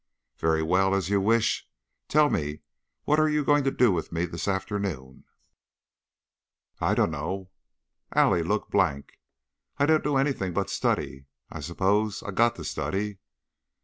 "Very well. As you wish. Tell me, what are you going to do with me this afternoon?" "I dunno!" Allie looked blank. "I don't do anything but study. I s'pose I got to study."